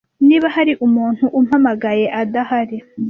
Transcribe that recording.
Niba hari umuntu umpamagaye adahari,